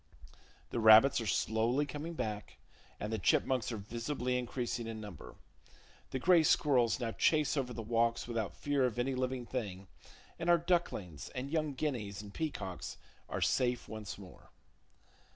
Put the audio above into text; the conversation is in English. The rabbits are slowly coming back, and the chipmunks are visibly increasing in number. The gray squirrels now chase over the walks without fear of any living thing, and our ducklings and young guineas and peacocks are safe once more.